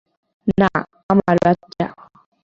না, আমার বাচ্চা।